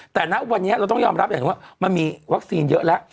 แต่ณวันนี้เราต้องยอมรับอย่างหนึ่งว่ามันมีวัคซีนเยอะแล้ว